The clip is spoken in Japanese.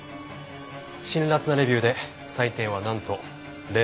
辛辣なレビューで採点はなんと０点。